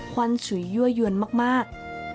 วันฉุยยั่วยวนมาก